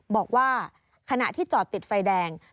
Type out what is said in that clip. บอกว่าขณะที่จอดติดไฟแดง